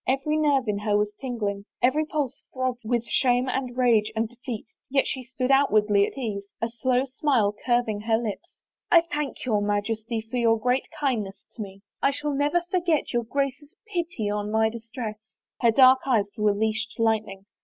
Every nerve in her was tingling, every pulse throbbed with shame and rage and defeat, yet she stood outwardly at ease, a slow smile curving her lips. " I thank your Majesty for your great kindness to me. ... I shall never forget your Grace's pity on my dis tress." Her dark eyes were leashed lightning.